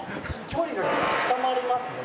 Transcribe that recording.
距離がぐっと近まりますね。